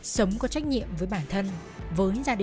sống có trách nhiệm với bản thân với gia đình và cả xã hội